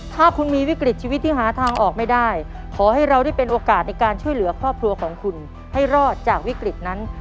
ถ้าคุณมีวิกฤตชีวิตที่หาทางออกไม่ได้ขอให้เราได้เป็นโอกาสในการช่วยเหลือครอบครัวของคุณให้รอดจากวิกฤตนั้น